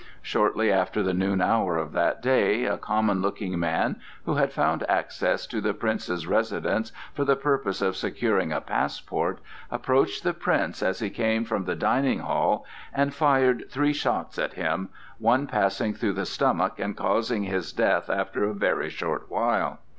Shortly after the noon hour of that day a common looking man, who had found access to the Prince's residence for the purpose of securing a passport, approached the Prince as he came from the dining hall and fired three shots at him, one passing through the stomach and causing his death after a very short while.